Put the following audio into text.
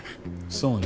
そうね。